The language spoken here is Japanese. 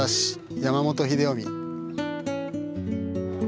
山本英臣。